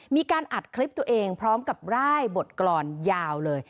มีการอัดคลิปตัวเองพร้อมกับร่ายบทกรอนยาวเลย